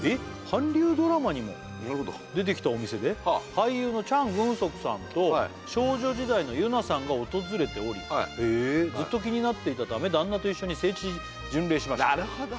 韓流ドラマにも出てきたお店で俳優のチャン・グンソクさんと少女時代のユナさんが訪れておりへえずっと気になっていたため旦那と一緒に聖地巡礼しましたなるほど！